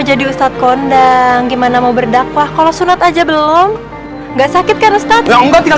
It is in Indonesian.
jadi ustadz kondang gimana mau berdakwah kalau sunat aja belum enggak sakit kan ustadz